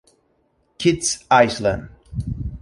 Kitts Island".